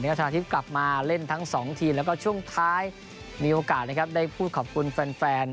ชนะทิพย์กลับมาเล่นทั้งสองทีมแล้วก็ช่วงท้ายมีโอกาสนะครับได้พูดขอบคุณแฟน